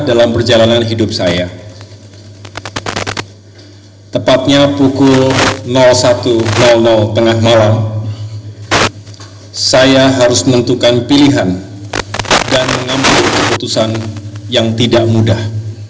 dan mengambil keputusan yang tidak mudah